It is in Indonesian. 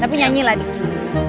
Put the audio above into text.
tapi nyanyilah di kiri